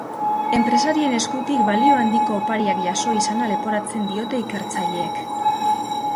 Enpresarien eskutik balio handiko opariak jaso izana leporatzen diote ikertzaileek.